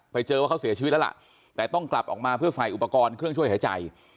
ไปเจอว่าเขาเสียชีวิตแล้วล่ะแต่ต้องกลับออกมาเพื่อใส่อุปกรณ์เครื่องช่วยหายใจ